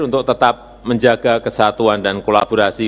untuk tetap menjaga kesatuan dan kolaborasi